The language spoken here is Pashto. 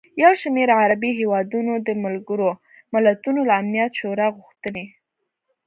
یوشمېر عربي هېوادونو د ملګروملتونو له امنیت شورا غوښتي